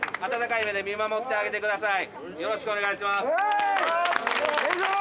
よろしくお願いします。